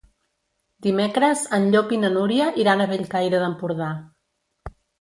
Dimecres en Llop i na Núria iran a Bellcaire d'Empordà.